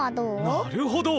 なるほど。